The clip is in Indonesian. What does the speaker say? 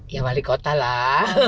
ya wali kota lah